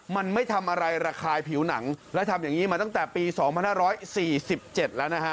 มันไม่ทำอะไรระคายผิวหนังแล้วทำอย่างงี้มาตั้งแต่ปีสองพันห้าร้อยสี่สิบเจ็ดแล้วนะฮะ